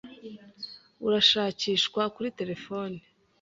urashakishwa kuri terefone.